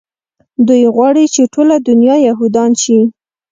دوى غواړي چې ټوله دونيا يهودان شي.